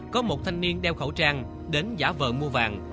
có một thanh niên đeo khẩu trang đến giả vợ mua vàng